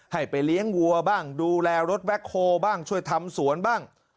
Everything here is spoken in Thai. ให้ไปเลี้ยงวัวบ้างดูแลรถแบ็คโฮบ้างช่วยทำสวนบ้าง